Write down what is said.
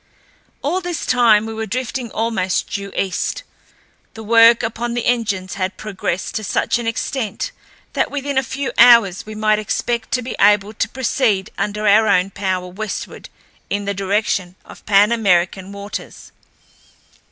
All this time we were drifting almost due east. The work upon the engines had progressed to such an extent that within a few hours we might expect to be able to proceed under our own power westward in the direction of Pan American waters.